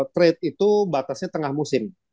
trade itu batasnya tengah musim